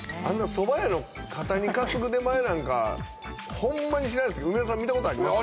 そば屋の肩に担ぐ出前なんかホンマに知らないですけど梅沢さん見たことありますか？